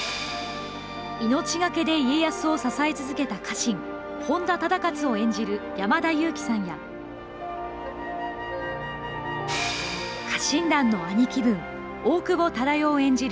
命懸けで家康を支え続けた家臣、本多忠勝を演じる山田裕貴さんや、家臣団の兄貴分、大久保忠世を演じる